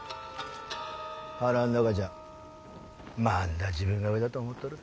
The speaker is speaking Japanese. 腹ん中じゃまんだ自分が上だと思っとる。